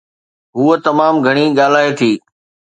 هوءَ تمام گهڻي ڳالهائي ٿي